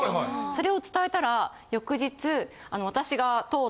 それを伝えたら翌日。